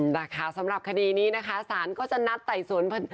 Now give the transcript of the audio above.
ถามว่าผมเยอะอีกอะไรแบบนี้